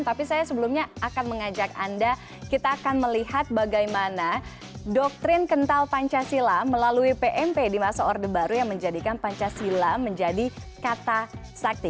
tapi saya sebelumnya akan mengajak anda kita akan melihat bagaimana doktrin kental pancasila melalui pmp di masa orde baru yang menjadikan pancasila menjadi kata sakti